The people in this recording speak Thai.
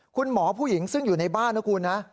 คุณหมอผู้หญิงซึ่งอยู่ในบ้านนะคุณนะ